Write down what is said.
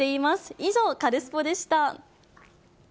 以上、カルスポっ！でした。